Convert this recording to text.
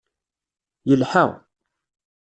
Yelḥa.